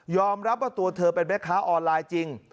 รับว่าตัวเธอเป็นแม่ค้าออนไลน์จริง